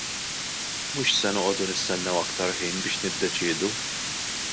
Mhux se noqogħdu nistennew aktar ħin biex niddeċiedu.